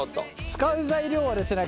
使う材料はですね